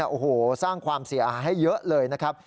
โอ้โหสร้างความเสียหายให้เยอะเลยนะครับ